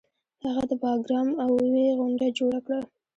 هغه د باګرام اوویی غونډه جوړه کړه